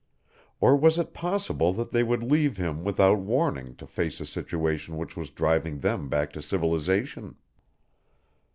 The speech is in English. Or was it possible that they would leave him without warning to face a situation which was driving them back to civilization?